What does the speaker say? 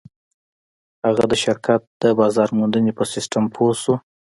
هغه د شرکت د بازار موندنې په سيسټم پوه شو.